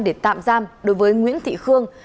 để tạm giam đối với nguyễn thị khương